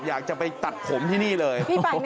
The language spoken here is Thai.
อยากจะไปตัดผมที่นี่เลย